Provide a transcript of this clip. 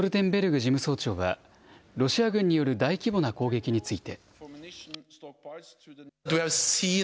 事務総長は、ロシア軍による大規模な攻撃について。